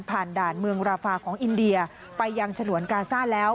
ด่านเมืองราฟาของอินเดียไปยังฉนวนกาซ่าแล้ว